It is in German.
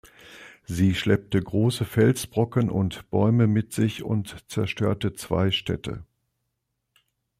Sie schleppte große Felsbrocken und Bäume mit sich und zerstörte zwei Städte.